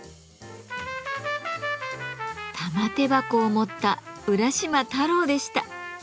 玉手箱を持った浦島太郎でした。